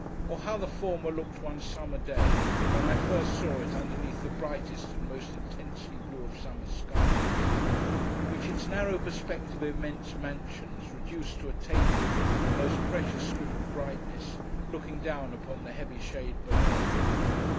or how the former looked one summer day, when I first saw it underneath the brightest and most intensely blue of summer skies: which its narrow perspective of immense mansions, reduced to a tapering and most precious strip of brightness, looking down upon the heavy shade below!